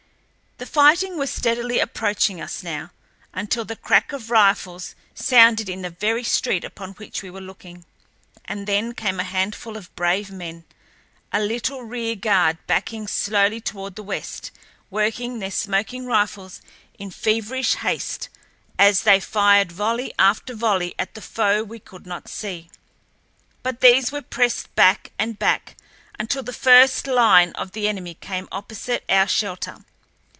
The fighting was steadily approaching us now, until the crack of rifles sounded in the very street upon which we were looking. And then came a handful of brave men—a little rear guard backing slowly toward the west, working their smoking rifles in feverish haste as they fired volley after volley at the foe we could not see. But these were pressed back and back until the first line of the enemy came opposite our shelter.